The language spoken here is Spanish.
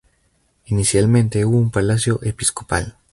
Inicialmente hubo un palacio episcopal.